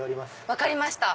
分かりました。